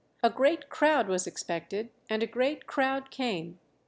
A great crowd was expected, and a great crowd came.